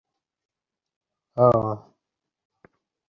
কহিল, দেখুন মহেন্দ্র আমার উপর বিশেষ করিয়া ভার দিয়া গেছে।